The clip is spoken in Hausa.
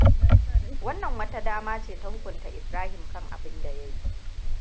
Wannan wata dama ce ta hukunta Ibrahim kan abinda ya yi.